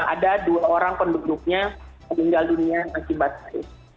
ada dua orang penduduknya tinggal dunia yang masih batas